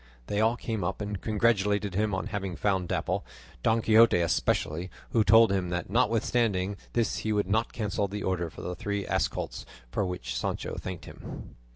They all came up and congratulated him on having found Dapple, Don Quixote especially, who told him that notwithstanding this he would not cancel the order for the three ass colts, for which Sancho thanked him.